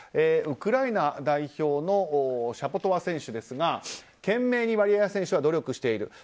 ウクライナ代表のシャポトワ選手ですが懸命にワリエワ選手は努力している。